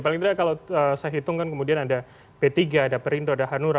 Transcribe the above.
paling tidak kalau saya hitung kan kemudian ada p tiga ada perindo ada hanura